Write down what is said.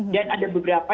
dan ada beberapa